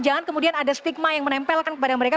jangan kemudian ada stigma yang menempelkan kepada mereka